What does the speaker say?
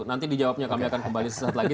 nanti dijawabnya kami akan kembali sesaat lagi